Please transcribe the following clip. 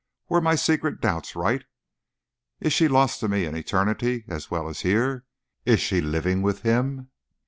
Were my secret doubts right? Is she lost to me in eternity as well as here? Is she living with him?"